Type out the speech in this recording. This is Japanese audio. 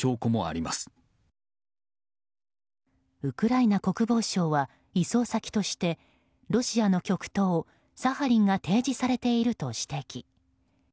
ウクライナ国防省は移送先としてロシアの極東サハリンが提示されていると指摘。